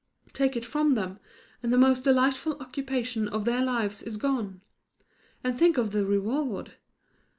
Take it from them, and the most delightful occupation of their lives is gone. And think of the reward!